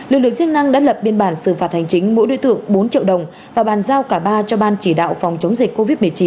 lực lượng chức năng đã lập biên bản xử phạt hành chính mỗi đối tượng bốn triệu đồng và bàn giao cả ba cho ban chỉ đạo phòng chống dịch covid một mươi chín